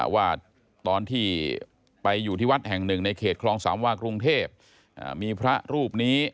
ว่าตอนที่ไปอยู่ที่แห่ง๑ในเขตครองสามว่ากรุงเทพก็มีพระรูปนี้